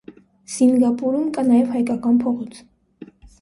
Սինգապուրում կա նաև հայկական փողոց։